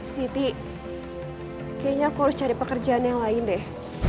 siti kayaknya aku harus cari pekerjaan yang lain deh